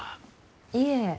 いえ。